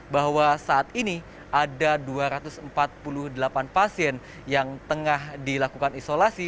bahwa saat ini ada dua ratus empat puluh delapan pasien yang tengah dilakukan isolasi